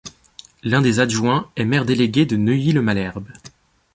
L'un des adjoints est maire délégué de Neuilly-le-Malherbe.